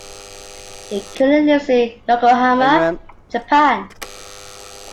He currently lives in Yokohama, Japan.